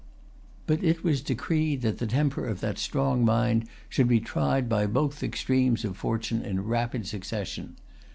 But it was decreed that the temper of that strong mind should be tried by both extremes of fortune in rapid succession.